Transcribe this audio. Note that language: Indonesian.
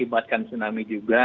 mengibatkan tsunami juga